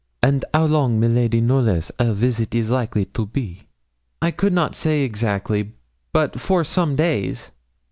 'And how long miladi Knollys her visit is likely to be?' 'I could not say exactly, but for some days.'